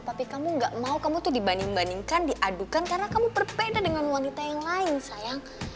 tapi kamu gak mau kamu tuh dibanding bandingkan diadukan karena kamu berbeda dengan wanita yang lain sayang